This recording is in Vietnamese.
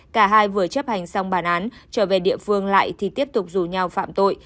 cả hai vừa chấp hành xong bản án trở về địa phương lại thì tiếp tục rủ nhau phạm tội